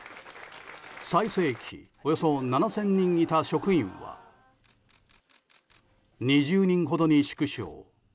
最盛期およそ７０００人いた職員は２０人ほどに縮小。